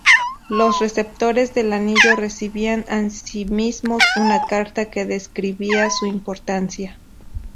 Los receptores del anillo recibían asimismo una carta que describía su importancia.